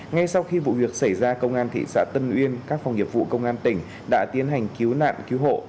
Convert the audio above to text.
ngay sau khi vụ việc xảy ra công an thị xã tân uyên các phòng nghiệp vụ công an tỉnh đã tiến hành cứu nạn cứu hộ